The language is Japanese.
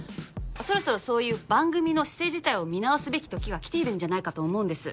そろそろそういう番組の姿勢自体を見直すべきときが来ているんじゃないかと思うんです。